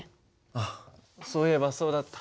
あっそういえばそうだった。